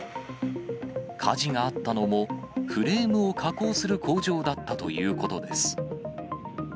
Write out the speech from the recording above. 火事があったのも、フレームを加工する工場だったということです。